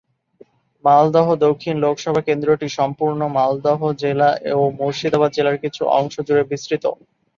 মালদহ দক্ষিণ লোকসভা কেন্দ্রটি সম্পূর্ণ মালদহ জেলা ও মুর্শিদাবাদ জেলার কিছু অংশ জুড়ে বিস্তৃত।